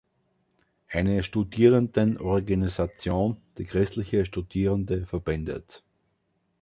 Eine Studierendenorganisation, die christliche Studierende verbindet.